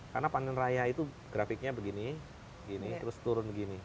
karena panen raya itu grafiknya begini terus turun begini